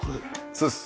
そうです。